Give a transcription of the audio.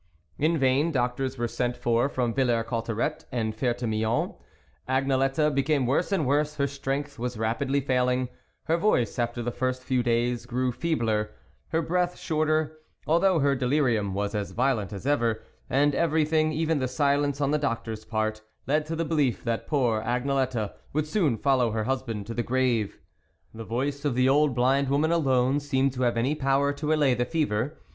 In vain doctors were sent for from Villers Cotterets and Fert6 Milon, Ag nelette became worse and worse ; her strength was rapidly failing ; her voice, after the first few days, grew feebler, her breath shorter, although her delirium was as violent as ever, and everything, even the silence on the doctors' part, led to the belief that poor Agnelette would soon follow her husband to the grave. The voice of the old blind woman alone seemed to have any power to allay the fever.